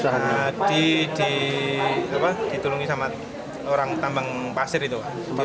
jadi ditolongi sama orang tambang pasir itu